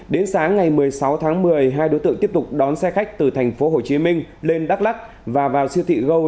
một mươi hai đối tượng tiếp tục đón xe khách từ tp hcm lên đắk lắc và vào siêu thị gold